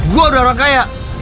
gue udah orang kaya